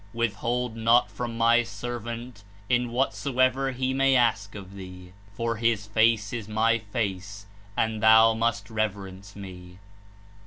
JFithhold not from my servant in whatsoever he may ask of thee, for his face is my Face, and thou must reverence MeT (A.